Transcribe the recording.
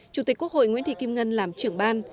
chủ tịch quốc hội nguyễn thị kim ngân làm trưởng ban